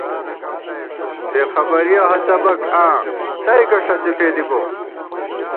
بېخبَرِیَہ ہَڅَبَک آں تئیکہ ݭَڅی فېدِی بوم